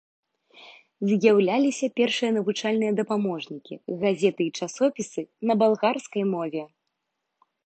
З'яўляліся першыя навучальныя дапаможнікі, газеты і часопісы на балгарскай мове.